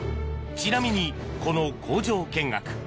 ちなみにこの工場見学。